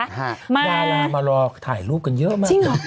ดารามารอถ่ายรูปกันเยอะมาก